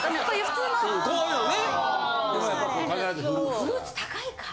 フルーツ高いから！